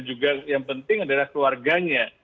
juga yang penting adalah keluarganya